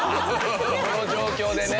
この状況でね。